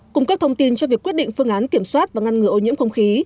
cung cấp thông tin cho việc quyết định phương án kiểm soát và ngăn ngừa ô nhiễm không khí